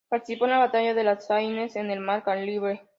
Participó de la batalla de las Saintes en el mar Caribe.